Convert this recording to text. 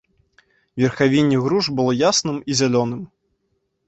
Верхавінне груш было ясным і зялёным.